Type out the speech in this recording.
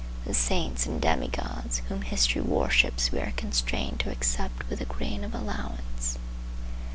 The saints and demigods whom history worships we are constrained to accept with a grain of allowance.